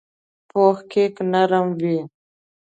پوخ کیک نر وي